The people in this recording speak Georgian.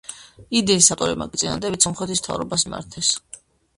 იდეის ავტორებმა კი წინადადებით სომხეთის მთავრობას მიმართეს.